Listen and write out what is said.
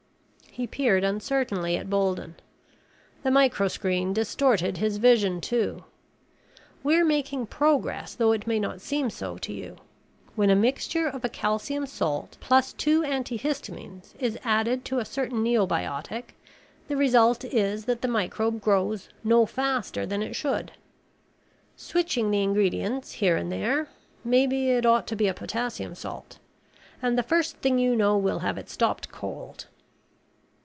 He peered uncertainly at Bolden. The microscreen distorted his vision, too. "We're making progress though it may not seem so to you. When a mixture of a calcium salt plus two antihistamines is added to a certain neobiotic, the result is that the microbe grows no faster than it should. Switching the ingredients here and there maybe it ought to be a potassium salt and the first thing you know we'll have it stopped cold."